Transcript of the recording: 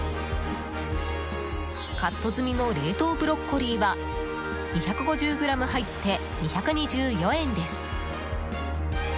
カット済みの冷凍ブロッコリーは２５０ｇ入って、２２４円です。